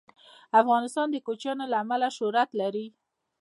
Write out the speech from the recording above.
افغانستان د کوچیان له امله شهرت لري.